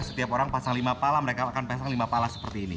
setiap orang pasang lima pala mereka akan pasang lima pala seperti ini